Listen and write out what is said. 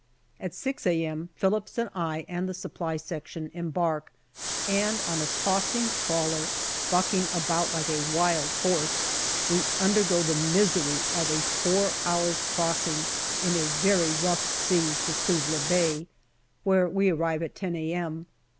At 6 a.m. Phillips and I and the Supply Section embark, and on a tossing trawler, bucking about like a wild horse, we undergo the misery of a four hours' crossing in a very rough sea to Suvla Bay, where we arrive at 10 a.m.